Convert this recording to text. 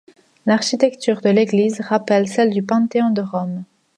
L'architecture de l'église rappelle celle du Panthéon de Rome.